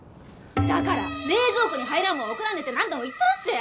だから冷蔵庫に入らんもんは送らんでって何度も言ってるしょや！